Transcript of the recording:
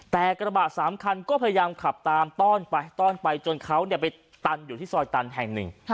แต่กระบะ๓คันก็พยายามขับตามต้อนไปต้อนไปจนเขาไปตันอยู่ที่ซอยตันแห่งหนึ่ง